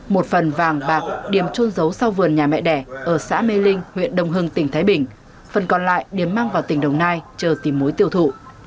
một phần vàng bạc điểm trôn giấu sau vườn nhà mẹ đẻ ở xã mê linh huyện đồng hưng tỉnh thái bình phần còn lại điểm mang vào tỉnh đồng nai chờ tìm mối tiêu thụ